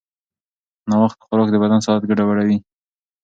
ناوخته خوراک د بدن ساعت ګډوډوي.